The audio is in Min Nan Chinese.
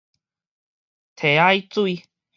䖳仔水